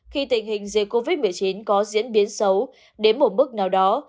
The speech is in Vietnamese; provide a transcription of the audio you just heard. khi tình hình dịch covid một mươi chín có diễn biến xấu đến ở mức nào đó